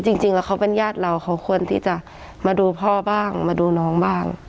จริงแล้วเขาเป็นญาติเราเขาควรที่จะมาดูพ่อบ้างมาดูน้องบ้าง